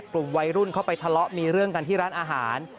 กลุ่มวัยรุ่นเข้าไปทะเลาะมีเรื่องกันที่ร้านอาหาร